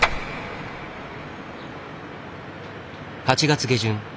８月下旬。